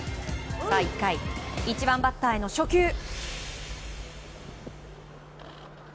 １回、１番バッターへの初球。